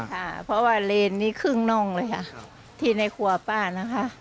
ค่ะเพราะว่าเลนนี้ครึ่งน่องเลยค่ะที่ในครัวป้านะคะ